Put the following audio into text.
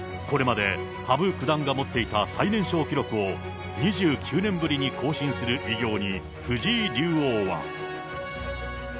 これまで羽生九段が持っていた最年少記録を、２９年ぶりに更新する偉業に、藤井竜王は。